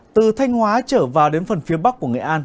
từ thanh hóa trở vào đến phần phía bắc của nghệ an